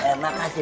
enak aja pak jun